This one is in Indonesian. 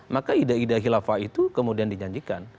maka ide ide khilafah itu kemudian dijanjikan